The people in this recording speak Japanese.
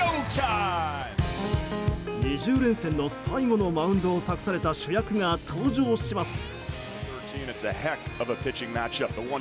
２０連戦の最後のマウンドを託された主役が登場します。